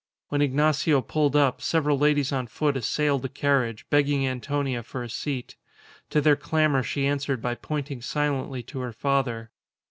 When Ignacio pulled up, several ladies on foot assailed the carriage, begging Antonia for a seat. To their clamour she answered by pointing silently to her father.